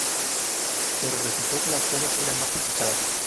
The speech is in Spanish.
Pero resultó que las cosas eran más complicadas.